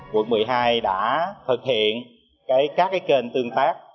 quận một mươi hai đã thực hiện các kênh tương tác